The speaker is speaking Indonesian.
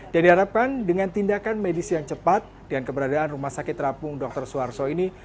dan diharapkan dengan tindakan medis yang cepat dan keberadaan rumah sakit terapung dr suharto ini